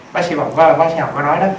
bác sĩ học có nói đó